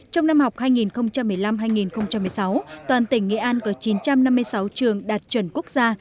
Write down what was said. trong năm học hai nghìn một mươi năm hai nghìn một mươi sáu toàn tỉnh nghệ an có chín trăm năm mươi sáu trường đạt chuẩn quốc gia